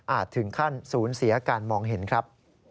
อาจถึงคั่นศูนย์เสียการมองเห็นครับ